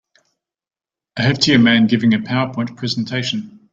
A heftier man giving a powerpoint presentation.